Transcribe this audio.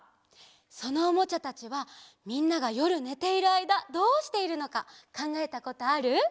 そのおもちゃたちはみんながよるねているあいだどうしているのかかんがえたことある？